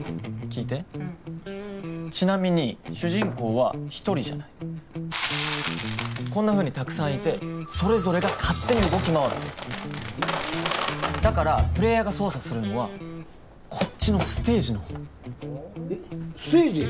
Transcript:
聞いてうんちなみに主人公は一人じゃないこんなふうにたくさんいてそれぞれが勝手に動き回ってるだからプレイヤーが操作するのはこっちのステージの方ステージ？